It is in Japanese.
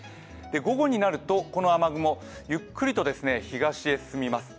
午後になるとこの雨雲、ゆっくりと東に進みます。